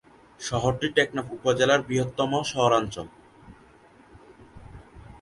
শহরটি টেকনাফ উপজেলার বৃহত্তম শহরাঞ্চল।